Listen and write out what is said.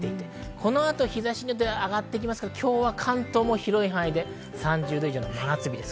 この後日差しが出て上がってきますから、関東は広い範囲で３０度以上の真夏日です。